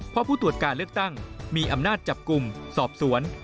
เพราะผู้ตรวจการเลือกตั้งมีอำนาจจับกลุ่มสอบสวน